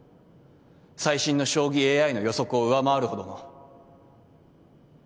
最新の将棋ＡＩの予測を上回るほどの。